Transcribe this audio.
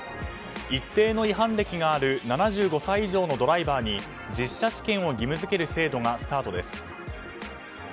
一定の違反歴がある７５歳以上のドライバーに実車試験を義務付ける試験がスタートです。